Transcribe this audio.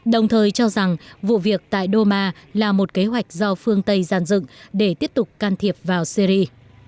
đồng thời cho rằng vụ việc tại doma là một kế hoạch do phương tây giàn dựng để tiếp tục can thiệp vào syri